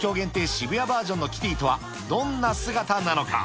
渋谷バージョンのキティとはどんな姿なのか。